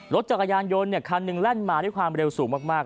รถจักรยานยนต์คันหนึ่งแล่นมาด้วยความเร็วสูงมาก